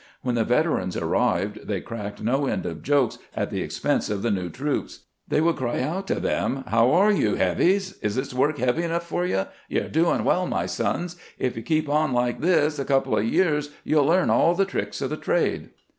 When the veterans arrived they cracked no end of jokes at the expense of the new troops. They would cry out to them :" How are you, heavies ? Is this work heavy enough for you? You 're doing well, my sons. If you keep on like this a couple of years, you '11 learn all the tricks of the trade."